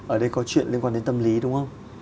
ở đây có chuyện liên quan đến tâm lý đúng không